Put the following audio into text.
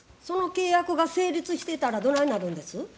その契約が成立してたらどないなるんです？